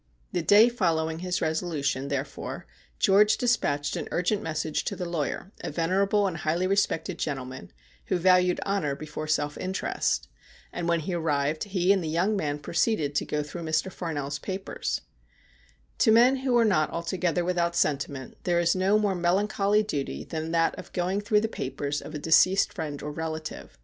The day follow ing his resolution, therefore, George despatched an urgent message to the lawyer, a venerable and highly respected gentleman, who valued honour before self interest. And when he arrived he and the young man proceeded to go through Mr. Farnell's papers. To men who are not altogether without sentiment there is no more melancholy duty than that of going through the papers of a deceased friend or relative.